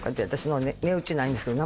値打ちないんですけど。